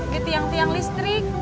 di tiang tiang listrik